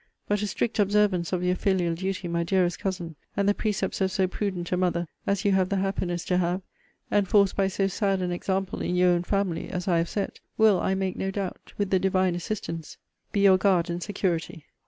But a strict observance of your filial duty, my dearest Cousin, and the precepts of so prudent a mother as you have the happiness to have (enforced by so sad an example in your own family as I have set) will, I make no doubt, with the Divine assistance, be your guard and security.'